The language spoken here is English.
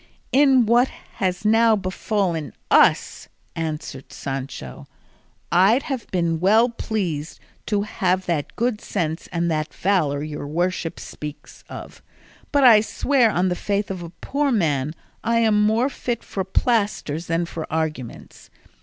"In what has now befallen us," answered Sancho, "I'd have been well pleased to have that good sense and that valour your worship speaks of, but I swear on the faith of a poor man I am more fit for plasters than for arguments.